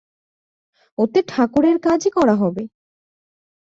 ওতে ঠাকুরের কাজই করা হবে।